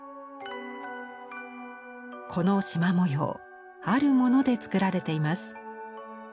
このしま模様あるものでつくられています。